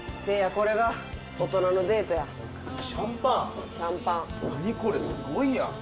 これすごいやん。